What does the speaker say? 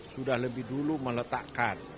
sudah lebih dulu meletakkan